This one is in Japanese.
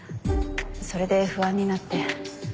それで不安になって。